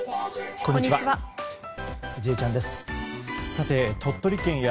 こんにちは。